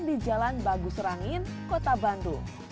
di jalan bagus rangin kota bandung